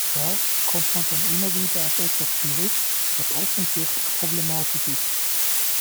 Warum kommt man dann immer wieder auf etwas zurück, das offensichtlich problematisch ist?